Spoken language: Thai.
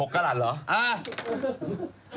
กระหลัดเหรอ